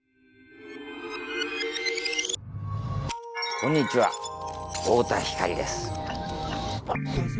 こんにちは太田光です。